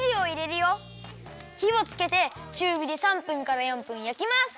ひをつけてちゅうびで３分から４分やきます。